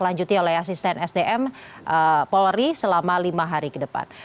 lanjuti oleh asisten sdm polri selama lima hari ke depan